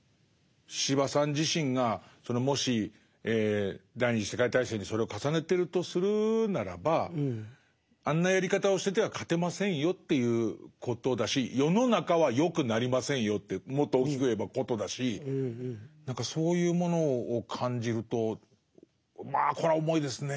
司馬さん自身がもし第二次世界大戦にそれを重ねてるとするならばあんなやり方をしてては勝てませんよということだし世の中は良くなりませんよってもっと大きく言えばことだし何かそういうものを感じるとまあこれは重いですね。